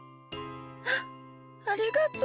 あっありがとう。